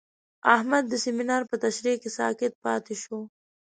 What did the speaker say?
احمد د سمینار په تشریح کې ساکت پاتې شو.